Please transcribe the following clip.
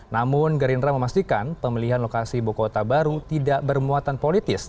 namun gerindra memastikan pemilihan lokasi ibu kota baru tidak bermuatan politis